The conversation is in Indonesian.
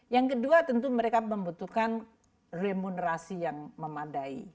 yang kedua tentu mereka membutuhkan remunerasi yang memadai